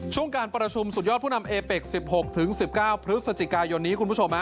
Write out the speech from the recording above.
การประชุมสุดยอดผู้นำเอเป็ก๑๖๑๙พฤศจิกายนนี้คุณผู้ชม